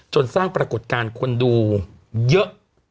สร้างปรากฏการณ์คนดูเยอะ